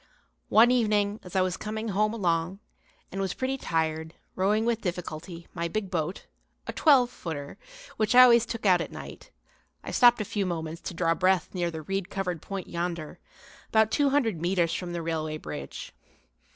One evening as I was coming home along and was pretty tired, rowing with difficulty my big boat, a twelve footer, which I always took out at night, I stopped a few moments to draw breath near the reed covered point yonder, about two hundred metres from the railway bridge.